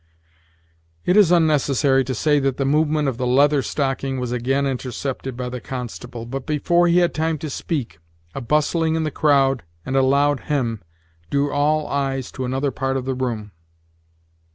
It is unnecessary to say that the movement of the Leather Stocking was again intercepted by the constable; but, before he had time to speak, a bustling in the crowd, and a loud hem, drew all eyes to another part of the room.